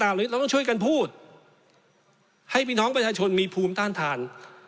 หรือเราต้องช่วยกันพูดให้พี่น้องประชาชนมีภูมิต้านทาน